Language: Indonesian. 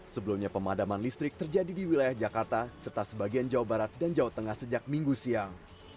sebelumnya pemadaman listrik terjadi di wilayah jakarta serta sebagian jawa barat dan jawa tengah sejak minggu siang